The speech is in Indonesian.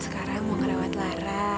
sekarang mau ngerawat lara